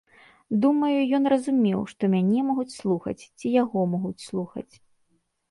Думаю, ён разумеў, што мяне могуць слухаць, ці яго могуць слухаць.